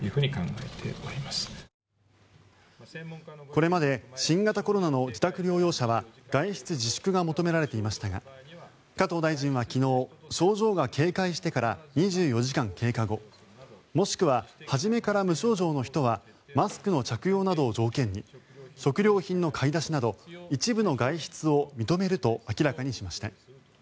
これまで新型コロナの自宅療養者は外出自粛が求められていましたが加藤大臣は昨日症状が軽快してから２４時間経過後もしくは初めから無症状の人はマスクの着用などを条件に食料品の買い出しなど一部の外出を認めると明らかにしました。